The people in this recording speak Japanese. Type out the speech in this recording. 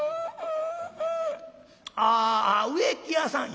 「ああ植木屋さん」。